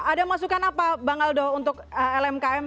ada masukan apa bang aldo untuk lmkm